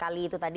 kali itu tadi